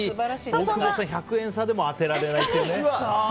１００円差でも当てられないというね。